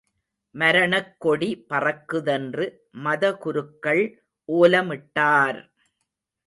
மரணக்கொடி பறக்குதென்று மத குருக்கள் ஒலமிட்டார்!